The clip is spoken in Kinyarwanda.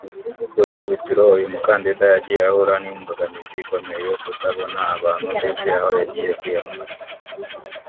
Ku ikubitiro uyu mukandida yagiye ahura n’ imbogamizi ikomeye yo kutabona abantu benshi aho yagiye kwiyamamariza